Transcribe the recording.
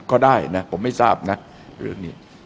ก็ได้นะผมไม่ทราบนะเรื่องนี้